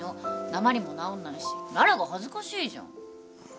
なまりも直んないし羅羅が恥ずかしいじゃん。